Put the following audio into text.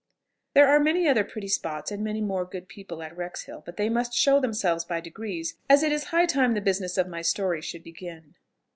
There are many other pretty spots and many more good people at Wrexhill; but they must show themselves by degrees, as it is high time the business of my story should begin.